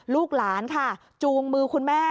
ลูกหลานค่ะจูงมือคุณแม่